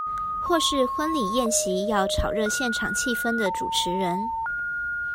或是婚禮宴席要炒熱現場氣氛的主持人